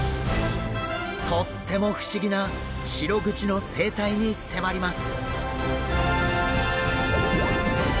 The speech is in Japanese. とっても不思議なシログチの生態に迫ります！